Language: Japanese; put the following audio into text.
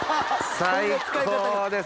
最高です。